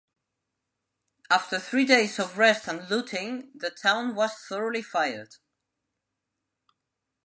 After three days of rest and looting the town was thoroughly fired.